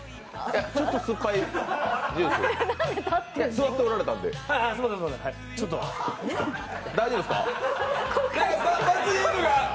ちょっと酸っぱいジュース座っておられたんで大丈夫ですか？